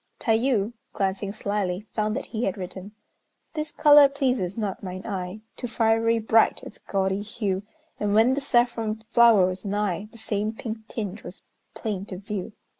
Tayû, glancing slyly, found that he had written: This color pleases not mine eye, Too fiery bright its gaudy hue, And when the saffron flower was nigh, The same pink tinge was plain to view.